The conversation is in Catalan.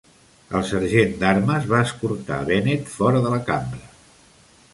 El sergent d'armes va escortar Bennett fora de la cambra.